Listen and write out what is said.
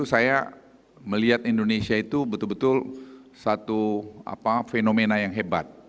saya melihat indonesia itu betul betul satu fenomena yang hebat